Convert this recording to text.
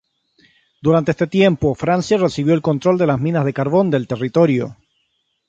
Durante este tiempo, Francia recibió el control de las minas de carbón del territorio.